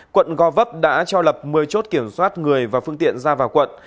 quận gò vấp đã cho lập một mươi chốt kiểm soát người và phương tiện ra vào quận